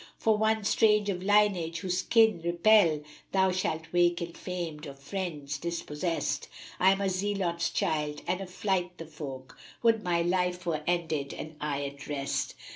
For one strange of lineage whose kin repel * Thou shalt wake ill famed, of friends dispossest: I'm a Zealot's child and affright the folk: * Would my life were ended and I at rest!"